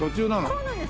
そうなんです。